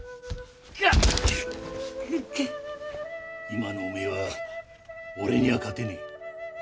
今のおめえは俺には勝てねえ。